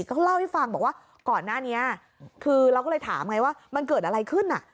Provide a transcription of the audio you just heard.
ก็เล่าให้ฟังบอกว่าก่อนหน้านี้คือเราก็เลยถามไงว่ามันเกิดอะไรขึ้นอ่ะ